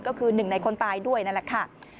ก็คือหนึ่งในคนตายด้วยนั่นแหละค่ะ